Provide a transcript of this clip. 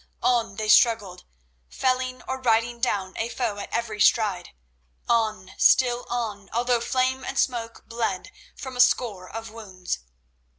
On they struggled, felling or riding down a foe at every stride. On, still on, although Flame and Smoke bled from a score of wounds.